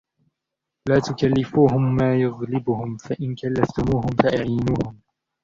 لاَ تُكَلِّفُوهُمْ مَا يَغْلِبُهُمْ، فَإِنْ كَلَّفْتُمُوهُمْ فَأَعِينُوهُمْ.